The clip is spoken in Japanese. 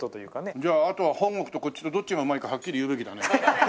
じゃああとは本国とこっちのどっちがうまいかはっきり言うべきだね。